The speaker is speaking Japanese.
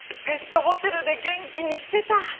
ペットホテルで元気にしてた。